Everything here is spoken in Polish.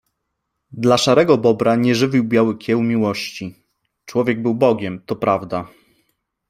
Dla Szarego Bobra nie żywił Biały kieł miłości. Człowiek był bogiem, to prawda